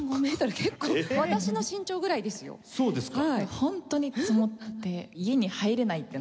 ホントに積もって「家に入れない！」ってなって。